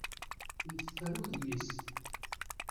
Iteffer udem-is.